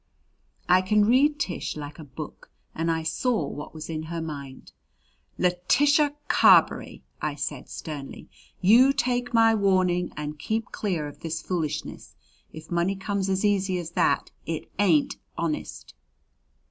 I can read Tish like a book and I saw what was in her mind. "Letitia Carberry!" I said sternly. "You take my warning and keep clear of this foolishness. If money comes as easy as that it ain't honest."